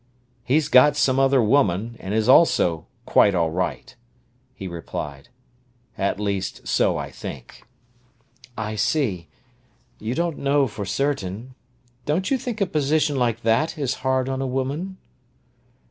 "He's got some other woman, and is also quite all right," he replied. "At least, so I think." "I see—you don't know for certain. Don't you think a position like that is hard on a woman?"